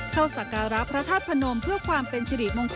สักการะพระธาตุพนมเพื่อความเป็นสิริมงคล